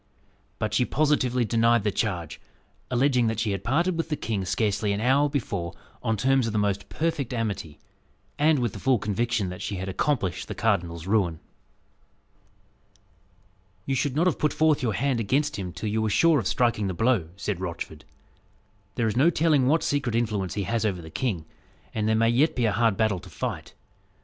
But she positively denied the charge, alleging that she had parted with the king scarcely an hour before on terms of the most perfect amity, and with the full conviction that she had accomplished the cardinal's ruin. "You should not have put forth your hand against him till you were sure of striking the blow," said Rochford. "There is no telling what secret influence he has over the king; and there may yet be a hard battle to fight.